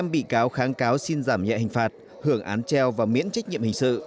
năm bị cáo kháng cáo xin giảm nhẹ hình phạt hưởng án treo và miễn trách nhiệm hình sự